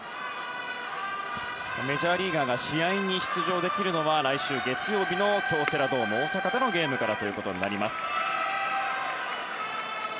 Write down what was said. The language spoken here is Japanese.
メジャーリーガーが試合に出場できるのは来週月曜日の京セラドーム大阪でのゲームからということになります。